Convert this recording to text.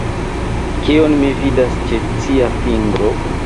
Kion mi vidas ĉe cia fingro?